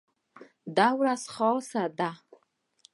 دا ورځ خاصه ده.